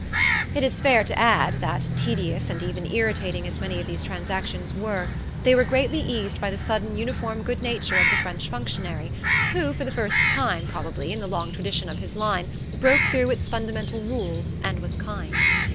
It is fair to add that, tedious and even irritating as many of these transactions were, they were greatly eased by the sudden uniform good nature of the French functionary, who, for the first time, probably, in the long tradition of his line, broke through its fundamental rule and was kind.